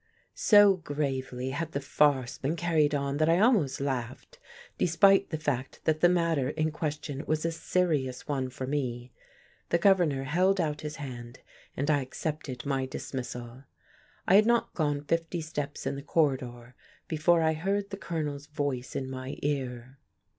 So gravely had the farce been carried on that I almost laughed, despite the fact that the matter in question was a serious one for me. The Governor held out his hand, and I accepted my dismissal. I had not gone fifty steps in the corridor before I heard the Colonel's voice in my ear.